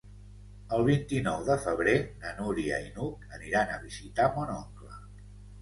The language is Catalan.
El vint-i-nou de febrer na Núria i n'Hug aniran a visitar mon oncle.